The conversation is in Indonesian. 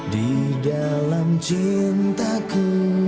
di dalam cintaku